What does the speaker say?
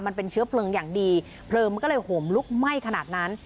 มันเป็นเชื้อเพลิงอย่างดีเพลิงมันก็เลยห่มลุกไหม้ขนาดนั้น